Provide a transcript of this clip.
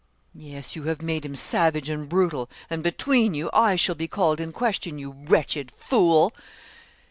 'Yes, you have made him savage and brutal; and between you, I shall be called in question, you wretched fool!'